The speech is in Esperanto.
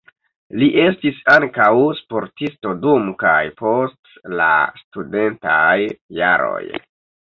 Li estis ankaŭ sportisto dum kaj post la studentaj jaroj.